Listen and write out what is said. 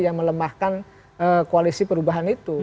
yang melemahkan koalisi perubahan itu